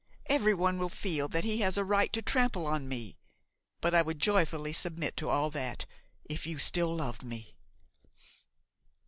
Everyone will feel that he has a right to trample on me. But I would joyfully submit to all that, if you still loved me."